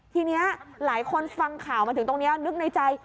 ทีนี้หลายคนฟังข่าวมาถึงตรงนี้นึกในใจ